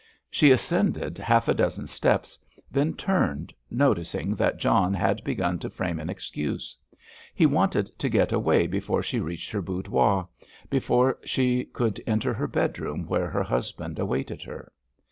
She ascended half a dozen steps, then turned, noticing that John had begun to frame an excuse. He wanted to get away before she reached her boudoir, before she could enter her bedroom where her husband awaited her.